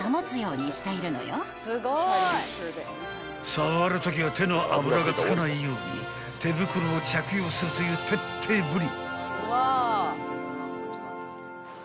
［触るときは手の脂が付かないように手袋を着用するという徹底ぶり］